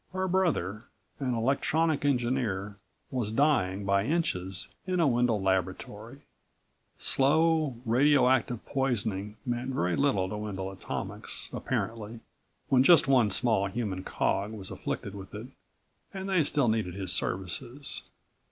Her brother, an electronic engineer, was dying by inches in a Wendel laboratory. Slow, radio active poisoning meant very little to Wendel Atomics apparently, when just one small human cog was afflicted with it and they still needed his services.